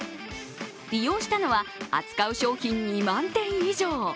利用したのは扱う商品２万点以上。